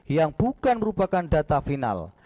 yang bukan merupakan data final